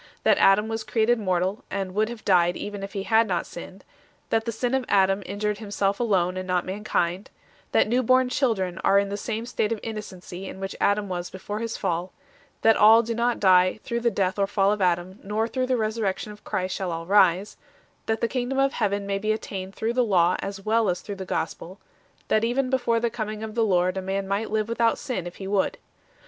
That Adam was created mortal, and would have died even if he had not sinned ; that the sin of Adam injured himself alone, and not mankind ; that new born children are in the same state of innocency in which Adam was before his fall; that all do not die through the death or fall of Adam, nor through the Resur rection of Christ shall all rise ; that the Kingdom of Heaven may be attained through the Law as well as through the Gospel; that even before the coming of the Lord a man might live without sin, if he would.